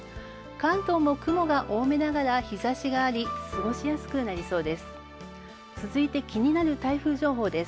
関東も雲が多めながら日差しがあり過ごしやすくなりそうです。